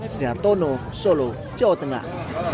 sri hartono solo jawa tengah